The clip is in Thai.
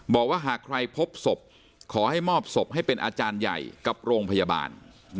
บอกว่าหากใครพบศพขอให้มอบศพให้เป็นอาจารย์ใหญ่กับโรงพยาบาล